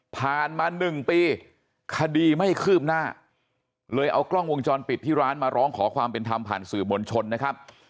ผ่านมา๑ปีคดีไม่คืบหน้าเลยเอากล้องวงจรปิดที่ร้านมาร้องขอความเป็นธรรมผ่านสื่อมวลชนนะครับ